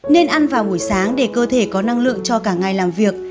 nên ăn vào buổi sáng để cơ thể có năng lượng cho cả ngày làm việc